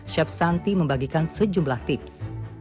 chef santi membagikan sejumlah tips